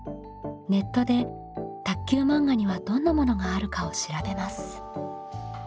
ネットで卓球漫画にはどんなものがあるかを調べます。